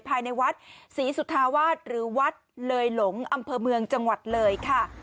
ภายในวัดศรีสุธาวาสหรือวัดเลยหลงอำเภอเมืองจังหวัดเลยค่ะ